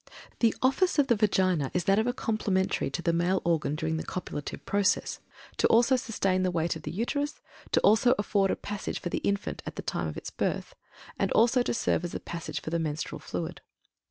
The office of the Vagina is that of a complementary to the male organ during the copulative process; to also sustain the weight of the Uterus; to also afford a passage for the infant at the time of its birth; and also to serve as a passage for the menstrual fluid.